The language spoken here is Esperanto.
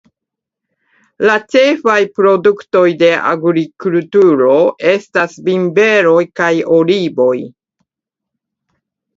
La ĉefaj produktoj de agrikulturo estas vinberoj kaj olivoj.